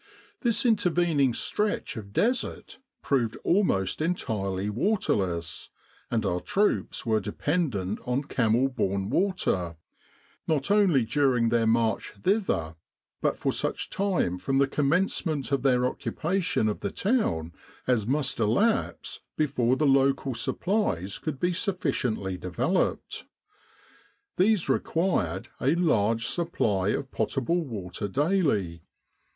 This intervening stretch of Desert proved almost entirely waterless, and our troops were dependent on camel borne water, not only during their march thither, but for such time from the commencement of their occupation of the town as must elapse before the local supplies could be sufficiently developed. These required a large supply of potable water daily.